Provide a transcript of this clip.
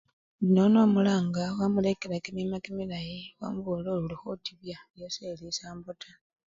Nono omulanga wamulekela kimima kimilayi wamubolela ori olikhotibya eyo seli esambo taa.